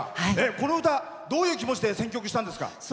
この歌、どういう気持ちで選曲したんですか。